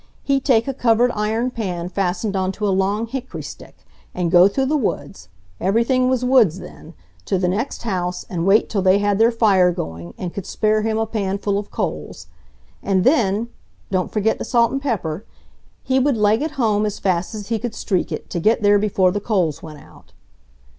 He'd take a covered iron pan fastened on to a long hickory stick, and go through the woods—everything was woods then—to the next house and wait till they had their fire going and could spare him a pan full of coals; and then—don't forget the salt and pepper—he would leg it home as fast as he could streak it, to get there before the coals went out.